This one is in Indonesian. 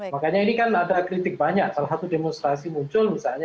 makanya ini kan ada kritik banyak salah satu demonstrasi muncul misalnya